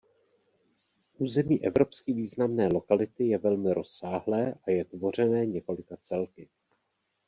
Území Evropsky významné lokality je velmi rozsáhlé a je tvořené několika celky.